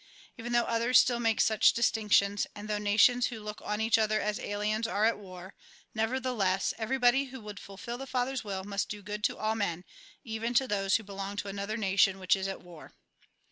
Even though others still make such distinctions, and though nations who look on each other as aliens are at war, nevertheless, everybody who would fulfil the Father's will must do good to all men, even to those who belong to another nation which is at war.